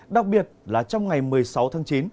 đặc biệt là trong ngày một mươi sáu tháng chín